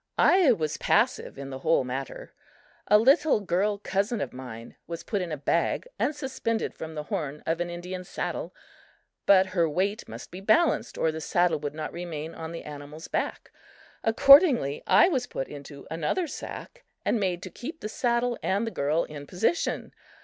I was passive in the whole matter. A little girl cousin of mine was put in a bag and suspended from the horn of an Indian saddle; but her weight must be balanced or the saddle would not remain on the animal's back. Accordingly, I was put into another sack and made to keep the saddle and the girl in position!